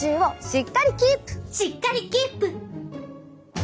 しっかりキープ！